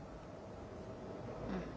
うん。